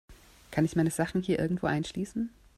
Kann ich meine Sachen hier irgendwo einschließen?